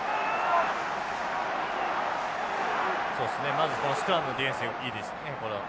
まずスクラムのディフェンスいいですね。